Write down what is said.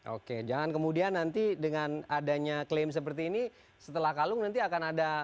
oke jangan kemudian nanti dengan adanya klaim seperti ini setelah kalung nanti akan ada